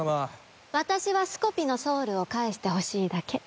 私はすこピのソウルを返してほしいだけ。